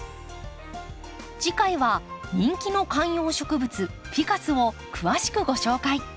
次回は人気の観葉植物フィカスを詳しくご紹介。